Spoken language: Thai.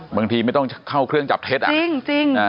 บางทีไม่ต้องเข้าเครื่องจับเท็จอ่ะจริง